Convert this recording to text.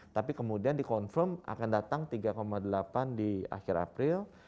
tapi kemudian di confirm akan datang tiga delapan di akhir april